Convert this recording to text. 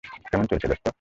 কেমন চলছে, দোস্ত?